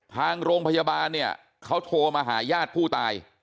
ทางโรงพยาบาลเนี่ยเขาโทรมาหาญาติผู้ตาย